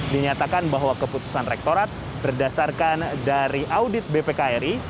dinyatakan bahwa keputusan rektorat berdasarkan dari audit bpkri